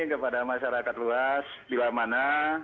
kepada masyarakat luas bila mana